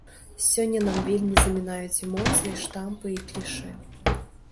Сёння нам вельмі замінаюць эмоцыі, штампы і клішэ.